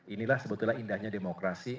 inilah sebetulnya indahnya demokrasi